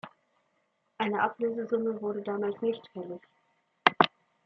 Eine Ablösesumme wurde damals nicht fällig.